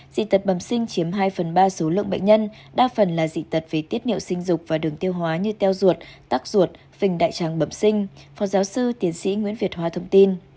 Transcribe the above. dị tật bầm sinh chiếm hai phần ba số lượng bệnh nhân đa phần là dị tật về tiết niệu sinh dục và đường tiêu hóa như teo ruột tắc ruột phình đại tràng bẩm sinh phó giáo sư tiến sĩ nguyễn việt hóa thông tin